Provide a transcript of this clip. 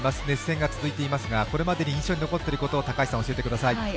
熱戦が続いていますがこれまでに印象に残っていることを教えてください。